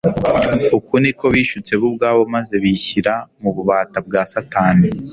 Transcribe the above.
Uko niko bishutse bo ubwabo maze bishyira mu bubata bwa Satani.